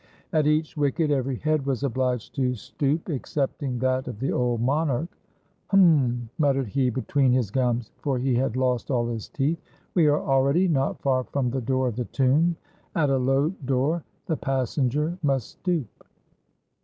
At each wicket every head was obliged to stoop excepting that of the old monarch. " Hum !" muttered he between his gums — for he had lost all his teeth — "we are already not far from the door of the tomb. At a low door the passenger must stoop."